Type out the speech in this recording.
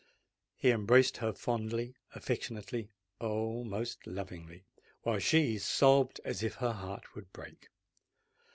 He embraced her fondly—affectionately,—oh! most lovingly; while she sobbed as if her heart would break.